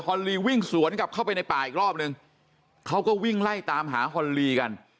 อนลีวิ่งสวนกลับเข้าไปในป่าอีกรอบนึงเขาก็วิ่งไล่ตามหาฮอนลีกัน